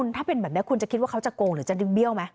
ถ้าเป็นแบบนี้คุณจะคิดว่าเขาจะโกงหรือจะดึงเบี้ยวไหม